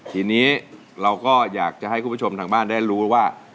ทีนี้เราก็อยากจะให้คุณผู้ชมทางบ้านได้รู้ว่า